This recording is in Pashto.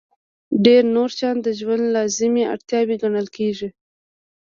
ډېر نور شیان د ژوند لازمي اړتیاوې ګڼل کېږي.